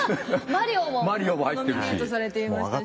「マリオ」もノミネートされていましたし。